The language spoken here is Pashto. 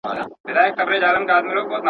ګیدړ سمدستي پنیر ته ورحمله کړه.